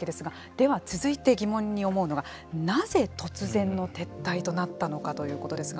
では、続いて疑問に思うのがなぜ突然の撤退となったのかということですが。